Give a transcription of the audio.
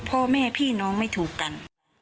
พ่อแม่พี่น้องไม่ถูกกัน